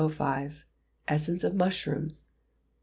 Essence of Mushrooms.